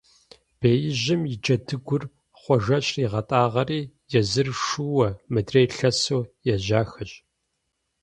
Беижьым и джэдыгур Хъуэжэ щригъэтӀагъэри, езыр шууэ, мыдрейр лъэсу ежьахэщ.